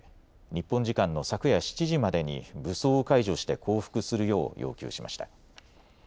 日本時間の昨夜７時までに武装を解除して降伏するよう要求しました。